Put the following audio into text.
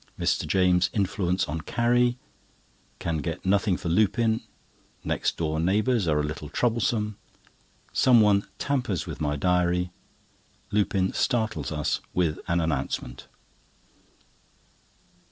Mrs. James' influence on Carrie. Can get nothing for Lupin. Next door neighbours are a little troublesome. Some one tampers with my diary. Got a place for Lupin. Lupin startles us with an announcement.